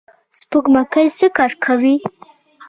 سپوږمکۍ څه کار کوي؟